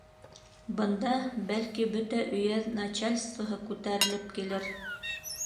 Бында, бәлки, бөтә өйәҙ начальствоһы күтәрелеп килер.